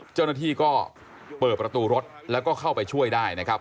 เจ้าหน้าที่ก็เปิดประตูรถแล้วก็เข้าไปช่วยได้นะครับ